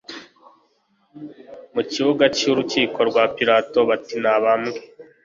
mu kibuga cy'urukiko rwa Pilato bati: "Nabambwe!